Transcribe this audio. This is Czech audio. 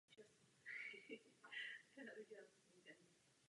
Na pozadí této události je zájem čínské tradiční medicíny o tyto sbírkové předměty.